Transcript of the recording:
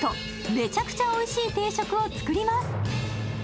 めちゃくちゃおいしい定食を作ります。